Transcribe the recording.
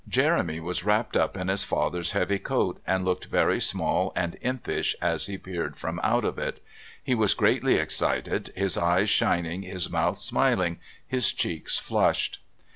Jeremy was wrapped up in his father's heavy coat, and looked very small and impish as he peered from out of it. He was greatly excited, his eyes shining, his mouth smiling, his cheeks flushed.